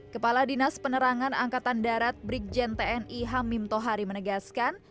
kepala dinas penerangan angkatan darat brigjen tni hamim tohari menegaskan